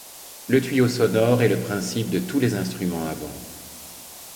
Le tuyau sonore est le principe de tous les instruments à vent.